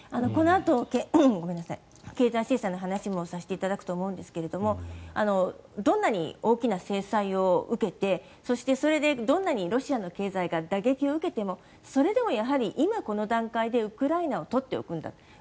このあと、経済制裁の話もさせていただくと思うんですがどんなに大きな制裁を受けてそしてそれでどんなにロシアの経済が打撃を受けてもそれでもやはり今この段階でウクライナを取っておくんだと。